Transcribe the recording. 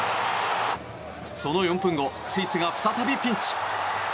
その４分後スイスが再びピンチ。